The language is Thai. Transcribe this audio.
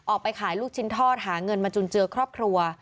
ออกไปขายลูกชิ้นทอดหาเงินมาจุนเจือครอบครัว